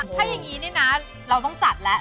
ถ้าอย่างนี้นี่นะเราต้องจัดแล้ว